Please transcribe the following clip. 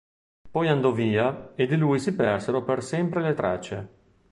Poi andò via e di lui si persero per sempre le tracce.